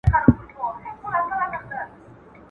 د ځوانیمرګو زړو تاوده رګونه.